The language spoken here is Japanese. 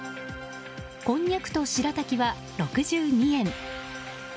こんにゃくとしらたきは６２円。